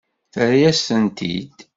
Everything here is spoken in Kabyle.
Terra-yas-tent-id?